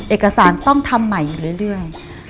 เอกสารต้องทำใหม่อยู่เรื่อย